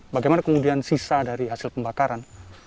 bagaimana kemudian sisa dari hasil pembakaran